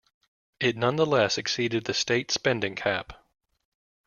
It nonetheless exceeded the state spending cap.